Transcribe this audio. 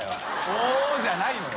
「おぉ」じゃないのよ。